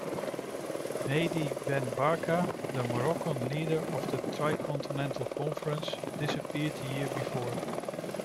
Mehdi Ben Barka, the Moroccan leader of the Tricontinental Conference, disappeared the year before.